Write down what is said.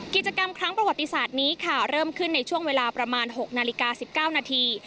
กิจกรรมครั้งประวัติศาสตร์นี้ค่ะเริ่มขึ้นในช่วงเวลาประมาณ๖นาฬิกา๑๙นาที